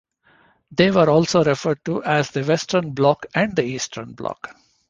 They were also referred to as the Western Bloc and the Eastern Bloc.